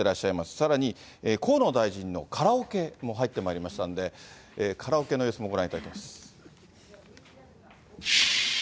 さらに河野大臣のカラオケも入ってまいりましたんで、カラオケの様子もご覧いただきます。